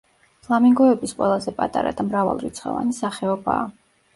ფლამინგოების ყველაზე პატარა და მრავალრიცხვოვანი სახეობაა.